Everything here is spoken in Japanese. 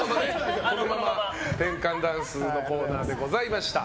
転換ダンスのコーナーでございました。